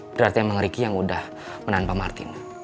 berarti emang ricky yang udah menanpa martin